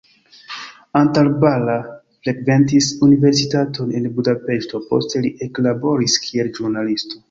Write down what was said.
Antal Balla frekventis universitaton en Budapeŝto, poste li eklaboris kiel ĵurnalisto.